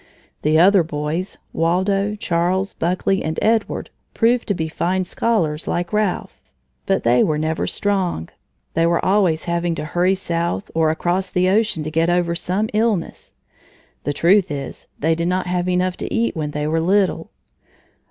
The other boys, Waldo, Charles, Buckley, and Edward, proved to be fine scholars, like Ralph, but they were never strong. They were always having to hurry south, or across the ocean to get over some illness. The truth is they did not have enough to eat when they were little.